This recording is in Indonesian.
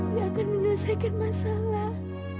gak akan menyelesaikan masalah